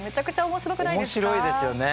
面白いですよね。